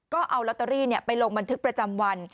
ก็เอาลอตเตอรี่ไปลงบันทึกประจำวัน